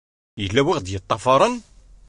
Yella wi ɣ-d-yeṭṭafaren?